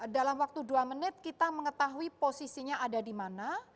dalam waktu dua menit kita mengetahui posisinya ada di mana